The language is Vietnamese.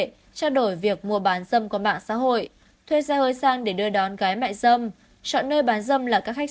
trao đổi việc mua bán dâm có mạng xã hội thuê ra hơi sang để đưa đón gái mại dâm